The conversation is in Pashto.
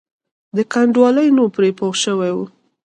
د کنډوالې نوم پرې پوخ شوی وو.